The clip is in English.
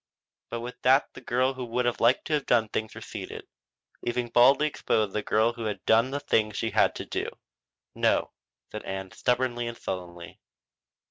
But with that the girl who would like to have done things receded, leaving baldly exposed the girl who had done the things she had had to do. "No," said Ann stubbornly and sullenly.